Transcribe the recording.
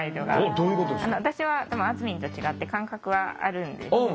私はあずみんと違って感覚はあるんです。